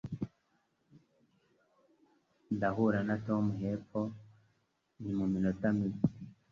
Ndahura na Tom hepfo muminota mike.